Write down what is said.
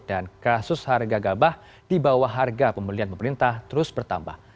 dan kasus harga gabah di bawah harga pembelian pemerintah terus bertambah